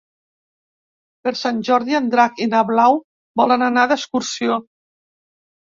Per Sant Jordi en Drac i na Blau volen anar d'excursió.